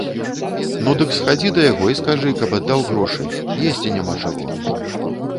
Ну, дык схадзі да яго і скажы, каб аддаў грошы, есці няма чаго.